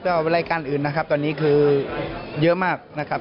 ก็รายการอื่นนะครับตอนนี้คือเยอะมากนะครับ